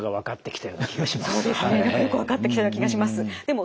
そうですね。よく分かってきたような気がします。